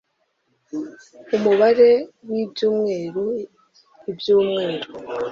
umubare w ibyumweru ibyumweru